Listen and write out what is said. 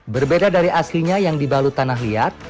berbeda dari aslinya yang dibalut tanah liat